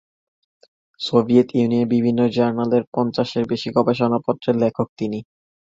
Soviet ইউনিয়নের বিভিন্ন জার্নালে পঞ্চাশের বেশি গবেষণাপত্রের লেখক তিনি।